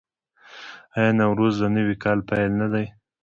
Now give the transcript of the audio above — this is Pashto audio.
آیا نوروز د نوي کال پیل نه دی؟